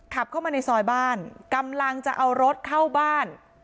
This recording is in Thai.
ขับเข้ามาในซอยบ้านกำลังจะเอารถเข้าบ้าน